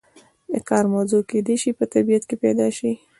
د کار موضوع کیدای شي په طبیعت کې پیدا شي.